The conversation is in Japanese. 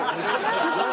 すごい。